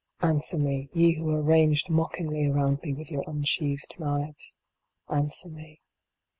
Answer me, ye who are ranged mockingly around me with your unsheathed knives. Answer me.